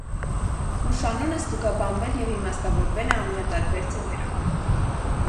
Մուշ անունը ստուգաբանվել և իմաստավորվել է ամենատարբեր ձևերով։